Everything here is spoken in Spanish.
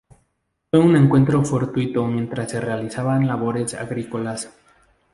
Fue un encuentro fortuito mientras se realizaban labores agrícolas.